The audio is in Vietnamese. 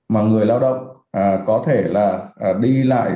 mà người lao động có thể là đi lại